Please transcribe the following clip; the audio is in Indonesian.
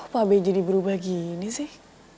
kok pak beji diberubah gini sih